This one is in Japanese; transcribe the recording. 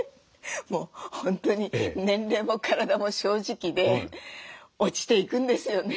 もう本当に年齢も体も正直で落ちていくんですよね。